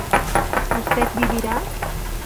¿usted vivirá?